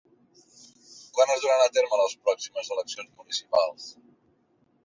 Quan es duran a terme les pròximes eleccions municipals?